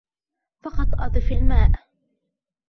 فقط أضف الماء